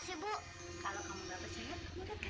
sampai jumpa di video selanjutnya